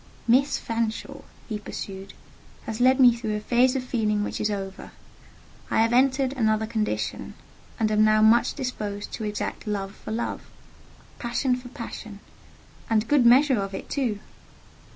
"Miss Fanshawe," he pursued, "has led me through a phase of feeling which is over: I have entered another condition, and am now much disposed to exact love for love—passion for passion—and good measure of it, too."